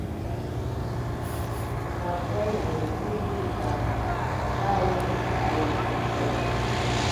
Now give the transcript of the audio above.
Mǝ volo wa lwi bibag o ayi ai fa.